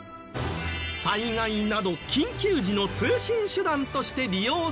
災害など緊急時の通信手段として利用されるケースも。